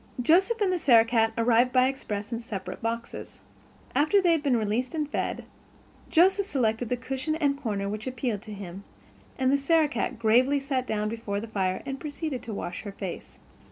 Joseph and the Sarah cat arrived by express in separate boxes. After they had been released and fed, Joseph selected the cushion and corner which appealed to him, and the Sarah cat gravely sat herself down before the fire and proceeded to wash her face.